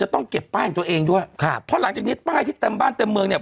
ต้องเก็บป้ายของตัวเองด้วยครับเพราะหลังจากนี้ป้ายที่เต็มบ้านเต็มเมืองเนี่ย